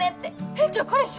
えっじゃあ彼氏？